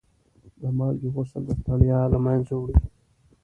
د مالګې غسل د ستړیا له منځه وړي.